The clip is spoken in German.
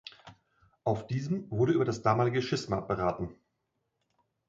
Auf diesem wurde über das damalige Schisma beraten.